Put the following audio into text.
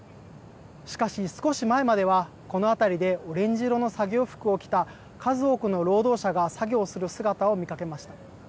しかし、少し前までは、この辺りでオレンジ色の作業服を着た数多くの労働者が作業をする姿を見かけました。